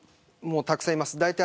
たくさんいます。